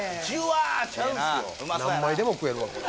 何枚でも食えるわこれ。